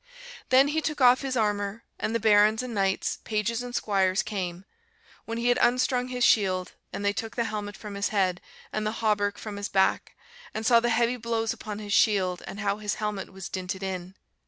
"Then he took off his armour; and the barons and knights, pages and squires came, when he had unstrung his shield: and they took the helmet from his head, and the hauberk from his back, and saw the heavy blows upon his shield, and how his helmet was dinted in.